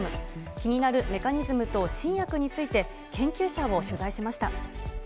気になるメカニズムと新薬について、研究者を取材しました。